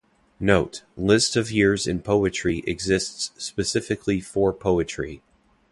Note: List of years in poetry exists specifically for poetry.